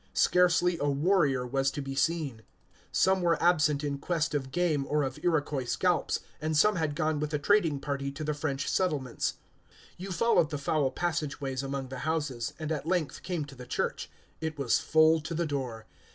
Scarcely a warrior was to be seen. Some were absent in quest of game or of Iroquois scalps, and some had gone with the trading party to the French settlements. You followed the foul passage ways among the houses, and at length came to the church. It was full to the door.